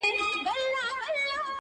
• چي سودا کوې په څېر د بې عقلانو ,